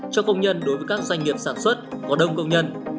cho công nhân đối với các doanh nghiệp sản xuất có đông công nhân